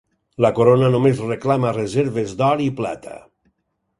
La corona només reclama reserves d'or i plata.